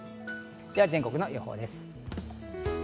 では全国の予報です。